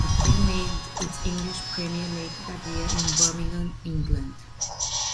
It then made its English premiere later that year in Birmingham, England.